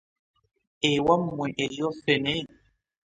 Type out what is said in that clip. Ewamwe eriyo ffene?